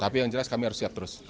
tapi yang jelas kami harus siap terus